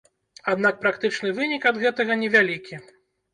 Аднак практычны вынік ад гэтага невялікі.